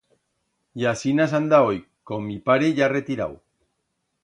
Y asinas anda hoi, con mi pare ya retirau.